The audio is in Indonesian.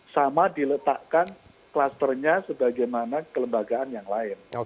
sama diletakkan klusternya sebagaimana kelembagaan yang lain